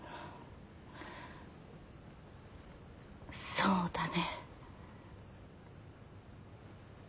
そうだね。